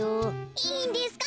いいんですか？